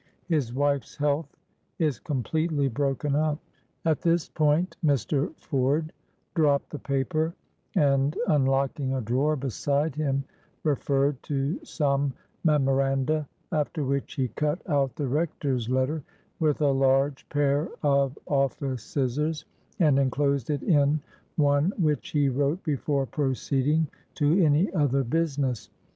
His wife's health is completely broken up"— At this point Mr. Ford dropped the paper, and, unlocking a drawer beside him, referred to some memoranda, after which he cut out the Rector's letter with a large pair of office scissors, and enclosed it in one which he wrote before proceeding to any other business.